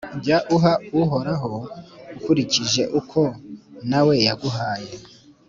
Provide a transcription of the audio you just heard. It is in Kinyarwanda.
Jya uha Uhoraho ukurikije uko na we yaguhaye,